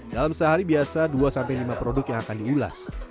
dalam sehari biasa dua lima produk yang akan diulas